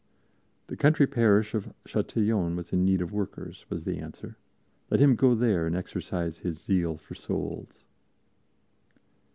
The country parish of Châtillon was in need of workers, was the answer; let him go there and exercise his zeal for souls.